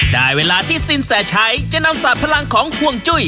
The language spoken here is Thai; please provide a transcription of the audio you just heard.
ได้เวลาที่สินแสชัยจะนำสาดพลังของห่วงจุ้ย